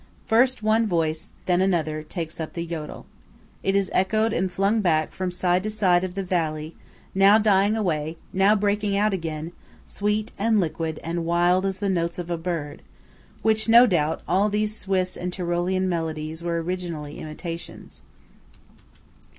First one voice, then another, takes up the Jödel. It is echoed and flung back from side to side of the valley, now dying away, now breaking out again, sweet, and liquid, and wild as the notes of a bird–of which, no doubt, all these Swiss and Tyrolean melodies were originally imitations.